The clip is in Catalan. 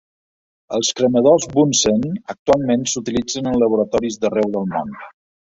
Els cremadors Bunsen actualment s'utilitzen en laboratoris d'arreu del món.